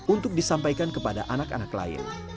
untuk disampaikan kepada anak anak lain